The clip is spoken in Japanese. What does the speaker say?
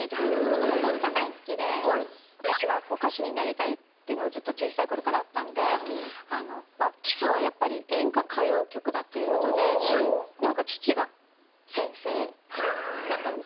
もともと歌大好きで私が歌手になりたいっていうのがずっと小さい頃からあったんで基礎はやっぱり演歌歌謡曲だっていう事でなんか父が先生だったんです。